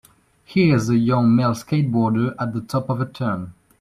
Here is a young male skateboarder at the top of a turn